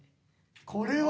これは。